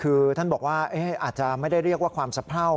คือท่านบอกว่าอาจจะไม่ได้เรียกว่าความสะเพรา